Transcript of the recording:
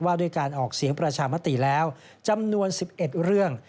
ด้วยการออกเสียงประชามติแล้วจำนวน๑๑เรื่อง